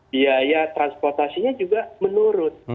biaya transportasinya juga menurun